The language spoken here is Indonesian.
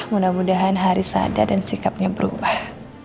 mudah mudahan hari sadar dan sikapnya berubah